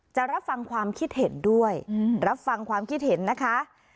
จะรับฟังความคิดเห็นด้วยรับฟังความคิดเห็นนะคะ